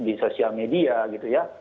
di sosial media gitu ya